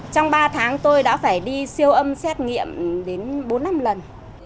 trong ba tháng tôi đã phải đi siêu âm xét nghiệm đến bốn năm lần